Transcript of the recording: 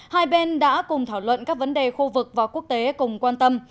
hai bên đã cùng thảo luận các vấn đề khu vực và quốc tế cùng quan tâm